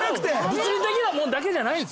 物理的なもんだけじゃないんです。